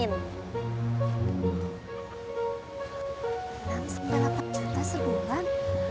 enam sampai delapan juta sebulan